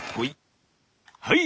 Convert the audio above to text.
はい！